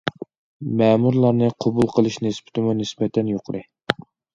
مەمۇرلارنى قوبۇل قىلىش نىسبىتىمۇ نىسبەتەن يۇقىرى.